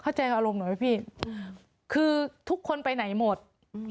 ใจอารมณ์หน่อยไหมพี่คือทุกคนไปไหนหมด